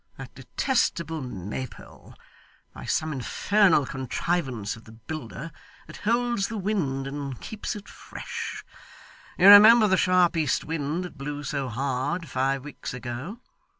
That detestable Maypole! By some infernal contrivance of the builder, it holds the wind, and keeps it fresh. You remember the sharp east wind that blew so hard five weeks ago?